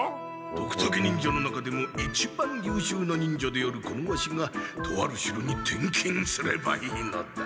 ドクタケ忍者の中でも一番ゆうしゅうな忍者であるこのワシがとある城に転勤すればいいのだ。